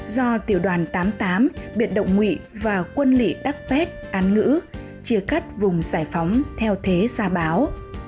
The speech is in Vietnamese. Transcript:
do tiểu đoàn tám mươi tám biệt động ngụy và quân lị đắc pét an ngữ chia cắt vùng giải phóng theo thế gia báo